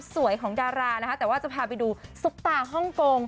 ของดารานะคะแต่ว่าจะพาไปดูซุปตาฮ่องกง